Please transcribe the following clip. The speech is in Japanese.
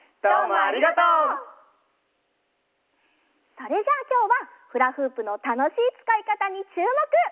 それじゃあきょうはフラフープのたのしいつかいかたにちゅうもく！